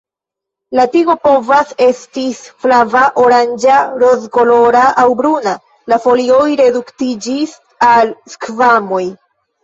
La tigo povas estis flava, oranĝa, rozkolora aŭ bruna, la folioj reduktiĝis al skvamoj.